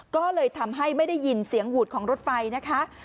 ก็เลยทำให้ไม่ได้ยินเสียงหวูดของรถไฟนะคะ